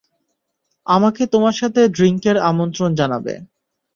আমাকে তোমার সাথে ড্রিংকের আমন্ত্রণ জানাবে।